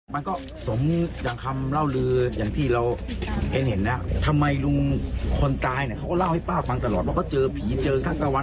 มันเป็นอยู่แล้วเพราะพวกนี้เขาเรียกว่าผีซ้ำต้ำพลอย